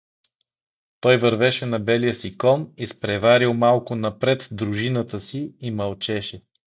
Той вървеше на белия си кон, изпреварил малко напред дружината си, и мълчеше.